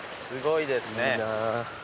すごいですね。